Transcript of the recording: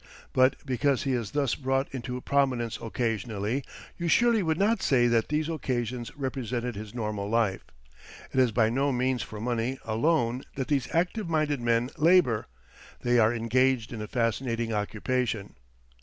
But because he is thus brought into prominence occasionally, you surely would not say that these occasions represented his normal life. It is by no means for money alone that these active minded men labour they are engaged in a fascinating occupation.